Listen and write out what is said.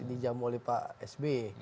di jam oleh pak sb